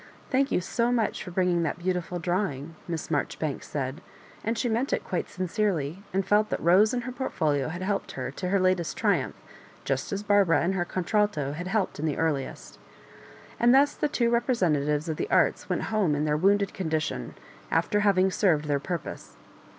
*' Thank you so much for bringing that beautifiol drawing," Miss Marjoribanks said; and she meant it quite sincerely, and felt that Rose and her portfolio had helped her to l^er latest tri umph just as Barbara and her contralto had helped in the earliest And thus the two repre sentatives of the arts went home in their wounded condition, after having served their purpose.